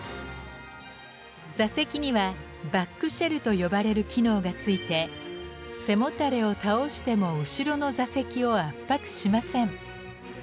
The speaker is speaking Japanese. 座席にはバックシェルと呼ばれる機能が付いて背もたれを倒しても後ろの座席を圧迫しません。